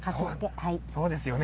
そうですよね。